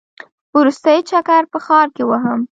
وروستی چکر په ښار کې وهم.